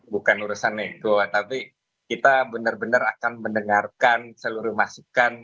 bukan urusan nego tapi kita benar benar akan mendengarkan seluruh masukan